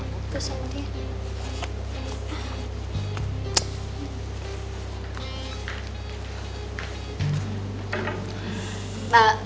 gak usah ngedes sama dia